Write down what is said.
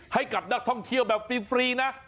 ให้กับนักท่องเที่ยวแบบฟรีนะ